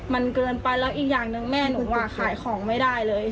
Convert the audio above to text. มันเกินไปแล้วอีกอย่างหนึ่งแม่หนูขายของไม่ได้เลย